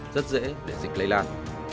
rất dễ để dịch lây lan